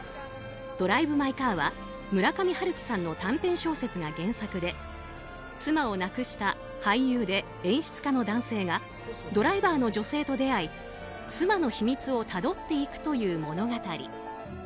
「ドライブ・マイ・カー」は村上春樹さんの短編小説が原作で妻を亡くした俳優で演出家の男性がドライバーの女性と出会い妻の秘密をたどっていくという物語。